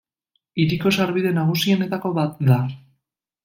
Hiriko sarbide nagusienetako bat da.